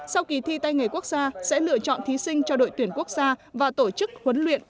sau kỳ thi tay nghề quốc gia sẽ lựa chọn thí sinh cho đội tuyển quốc gia và tổ chức huấn luyện